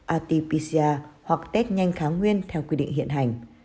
atpg hoặc test nhanh kháng nguyên theo quy định hiện hành